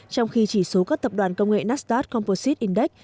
trong khi chỉ số các tập đoàn công nghệ nastart composite index